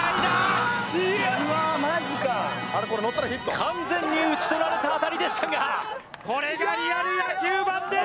完全に打ち取られた当たりでしたがこれがリアル野球ＢＡＮです！